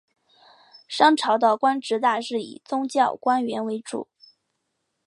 商朝的官职大致以宗教官员为主。